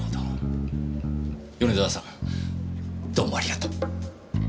米沢さんどうもありがとう。